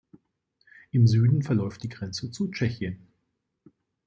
Im Süden verläuft die Grenze zu Tschechien.